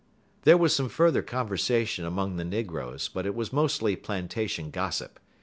There was some further conversation among the negroes, but it was mostly plantation gossip.